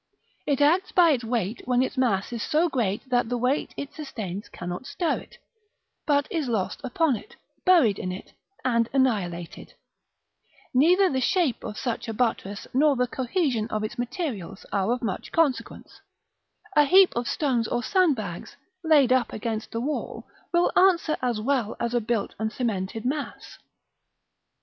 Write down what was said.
It acts by its weight when its mass is so great that the weight it sustains cannot stir it, but is lost upon it, buried in it, and annihilated: neither the shape of such a buttress nor the cohesion of its materials are of much consequence; a heap of stones or sandbags, laid up against the wall, will answer as well as a built and cemented mass.